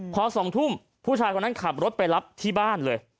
พอ๒ทุ่มผู้ชายคนนั้นขับรถไปรับที่บ้านเลย